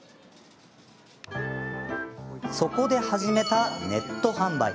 そこで始めたネット販売。